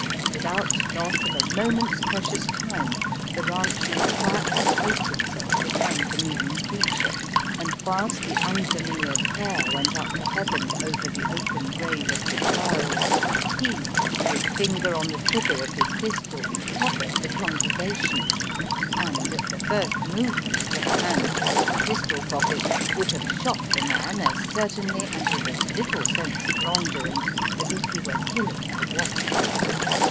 Without loss of a moment's precious time the ranche man quietly placed himself behind the kneel ing preacher, and whilst the unfamiliar prayer went up to heaven over the open grave of the child, he, with finger on the trigger of his pistol, covered the congregation, and at the first movement of a hand towards pistol pocket would have shot the man as certainly and with as little sense of wrong doing as if he were killing a wasp.